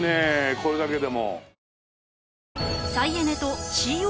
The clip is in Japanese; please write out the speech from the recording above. これだけでも。